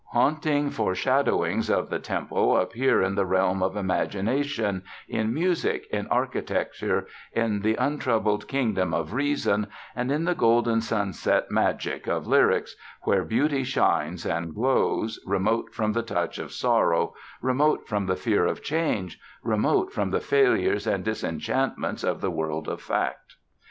Haunting foreshadowings of the temple appear in the realm of imagination, in music, in architecture, in the untroubled kingdom of reason, and in the golden sunset magic of lyrics, where beauty shines and glows, remote from the touch of sorrow, remote from the fear of change, remote from the failures and disenchantments of the world of fact.